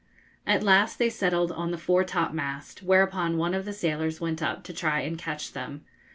At last they settled on the foretopmast, whereupon one of the sailors went up to try and catch them.